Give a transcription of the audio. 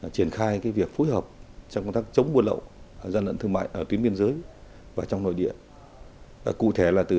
triển khai việc phối hợp trong công tác chống buôn lậu